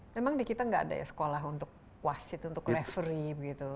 memang di kita gaada ya sekolah untuk wasit untuk referee gitu